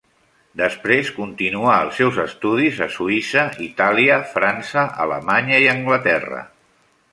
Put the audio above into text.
Després continuà els seus estudis a Suïssa, Itàlia, França, Alemanya i Anglaterra.